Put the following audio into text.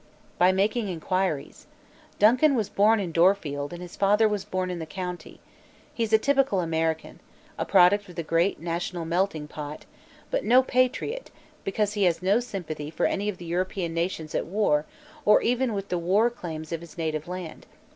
"By making inquiries. Duncan was born in Dorfield and his father was born in the county. He's a typical American a product of the great national melting pot but no patriot because he has no sympathy for any of the European nations at war, or even with the war aims of his native land.